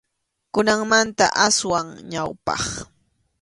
Kunanmanta aswan ñawpaq.